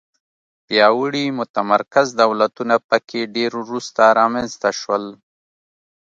پیاوړي متمرکز دولتونه په کې ډېر وروسته رامنځته شول.